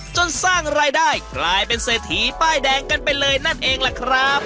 สร้างรายได้กลายเป็นเศรษฐีป้ายแดงกันไปเลยนั่นเองล่ะครับ